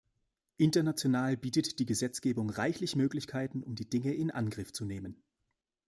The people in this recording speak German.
International bietet die Gesetzgebung reichlich Möglichkeiten, um die Dinge in Angriff zu nehmen.